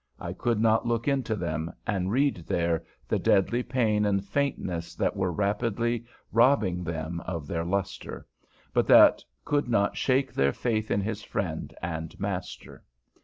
I could not look into them and read there the deadly pain and faintness that were rapidly robbing them of their lustre, but that could not shake their faith in his friend and master.